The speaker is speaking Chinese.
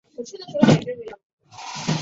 我还会是像现在一样